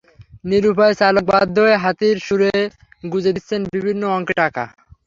নিরুপায় চালক বাধ্য হয়ে হাতির শুঁড়ে গুঁজে দিচ্ছেন বিভিন্ন অঙ্কের টাকা।